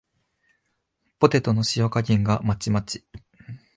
ポテトの塩加減がまちまち